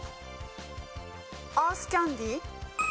アースキャンディ？